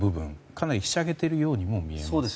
かなりひしゃげているようにも見えますね。